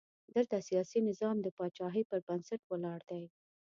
دلته سیاسي نظام د پاچاهۍ پر بنسټ ولاړ دی.